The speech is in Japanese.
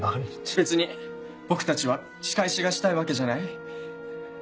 別に僕たちは仕返しがしたいわけじゃない。